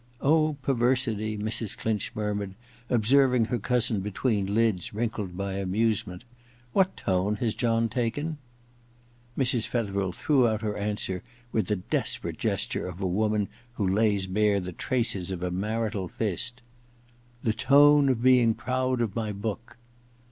Oh, perversity ' Mrs. Clinch murmured, observing her cousin between lids wrinkled by amusement. * What tone has John taken ?* Mrs. Fetherel threw out her answer with the I EXPIATION 8 1 desperate gesture of a woman who lays bare the traces of a marital fist. *The tone of being proud of my book.'